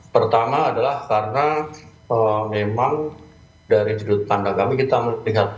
pertama adalah karena memang dari sudut pandang kami kita melihat